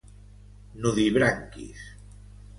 Nudibranquis.